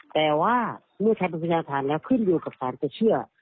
แต่ว่าเมื่อทำเป็นพยานฐานแล้วขึ้นอยู่กับสารจะเชื่อ